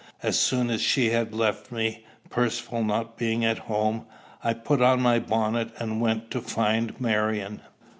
As soon as she had left me, Percivale not being at home, I put on my bonnet, and went to find Marion.